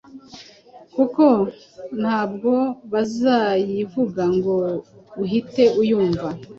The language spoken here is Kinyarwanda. kuko ntabwo bazayivuga ngo uhite uyumva